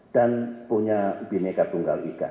dan punya bhinneka tunggal ika